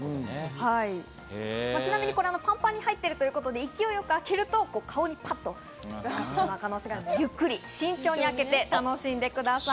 パンパンに入っているので勢いよく開けると顔にパッと飛んでしまう可能性があるので、ゆっくり慎重に開けて楽しんでください。